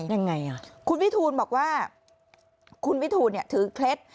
ยังไงอ่ะคุณวิทูลบอกว่าคุณวิทูลเนี่ยถือเคล็ด